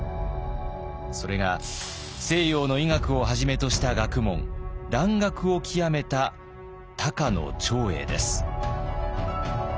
それが西洋の医学をはじめとした学問蘭学を究めた高野長英です。